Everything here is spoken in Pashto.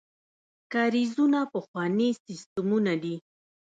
کاریزونه پخواني سیستمونه دي.